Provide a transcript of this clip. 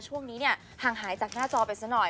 ช่วงนี้ห่างหายจากหน้าจอไปสักหน่อย